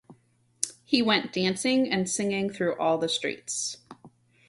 He went dancing and singing through all the streets.